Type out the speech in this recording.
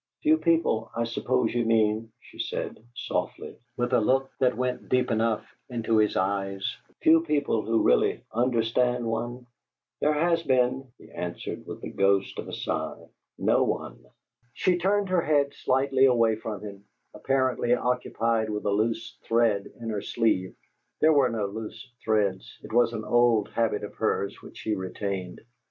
"Few people, I suppose you mean," she said, softly, with a look that went deep enough into his eyes, "few people who really understand one?" Eugene had seated himself on the sill of an open window close by. "There has been," he answered, with the ghost of a sigh, "no one." She turned her head slightly away from him, apparently occupied with a loose thread in her sleeve. There were no loose threads; it was an old habit of hers which she retained.